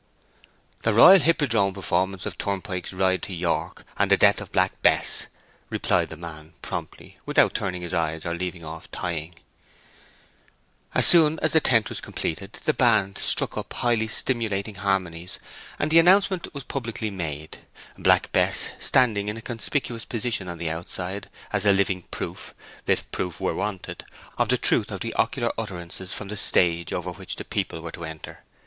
"The Royal Hippodrome Performance of Turpin's Ride to York and the Death of Black Bess," replied the man promptly, without turning his eyes or leaving off tying. As soon as the tent was completed the band struck up highly stimulating harmonies, and the announcement was publicly made, Black Bess standing in a conspicuous position on the outside, as a living proof, if proof were wanted, of the truth of the oracular utterances from the stage over which the people were to enter.